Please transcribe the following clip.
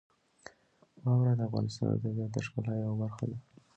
واوره د افغانستان د طبیعت د ښکلا یوه برخه ده.